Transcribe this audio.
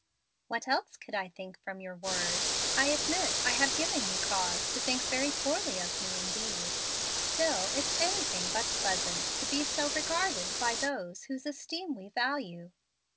"What else could I think from your words? I admit I have given you cause to think very poorly of me indeed. Still it's anything but pleasant to be so regarded by those whose esteem we value."